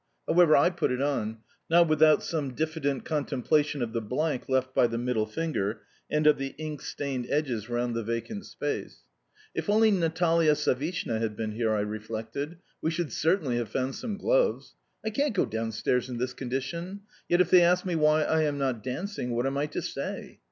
However, I put it on not without some diffident contemplation of the blank left by the middle finger and of the ink stained edges round the vacant space. "If only Natalia Savishna had been here," I reflected, "we should certainly have found some gloves. I can't go downstairs in this condition. Yet, if they ask me why I am not dancing, what am I to say?